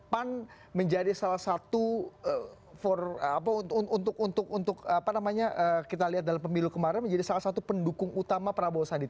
pan menjadi salah satu untuk kita lihat dalam pemilu kemarin menjadi salah satu pendukung utama prabowo sandi